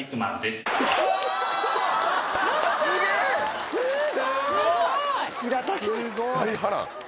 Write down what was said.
すごい！